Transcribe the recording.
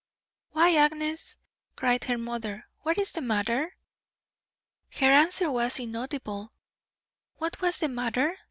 "Why, Agnes," cried her mother, "what is the matter?" Her answer was inaudible. What was the matter?